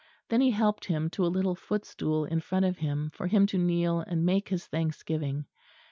Then he helped him to a little footstool in front of him, for him to kneel and make his thanksgiving.